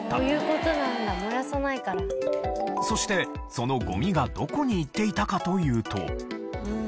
そしてそのゴミがどこに行っていたかというと。